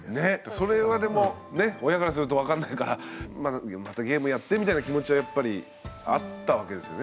それはでもね親からすると分かんないからまたゲームやってみたいな気持ちはやっぱりあったわけですよね